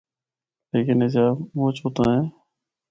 لیکن اے جا مُچ اُتاں ہے۔